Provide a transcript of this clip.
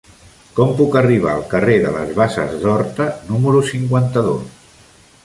Com puc arribar al carrer de les Basses d'Horta número cinquanta-dos?